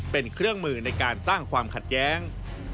เป็นเครื่องมือในการสร้างความขัดแย้ง